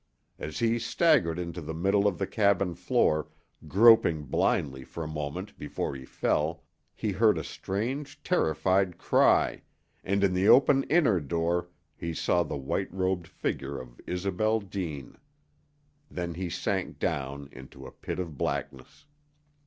As he staggered into the middle of the cabin floor, groping blindly for a moment before he fell, he heard a strange, terrified cry, and in the open inner door he saw the white robed figure of Isobel Deane. Then he sank down into a pit of blackness.